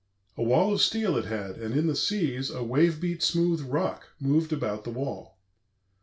A wall of steel it had; and in the seas A wave beat smooth rock moved about the wall.